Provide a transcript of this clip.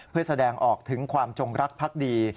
เพื่อแสดงออกถึงความจงรักพักดี